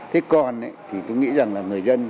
thế còn thì tôi nghĩ rằng là người dân